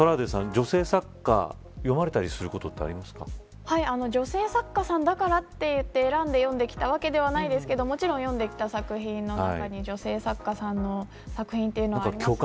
女性作家女性作家さんだからといって選んで読んできたわけではないですがもちろん読んできた作品の中に女性作家さんの作品はありました。